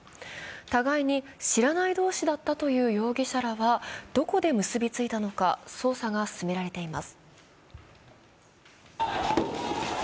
互いに知らない同士だったという容疑者らはどこで結びついたのか捜査が進められています。